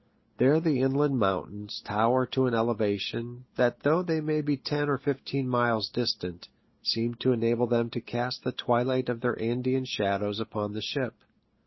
There the inland mountains tower to an elevation, that though they may be ten or fifteen miles distant, seems to enable them to cast the twilight of their Andean shadows upon the ship.